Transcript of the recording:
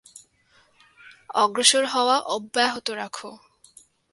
অগ্রসর হওয়া অব্যাহত রাখো।